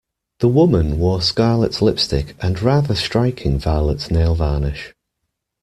The woman wore scarlet lipstick and rather striking violet nail varnish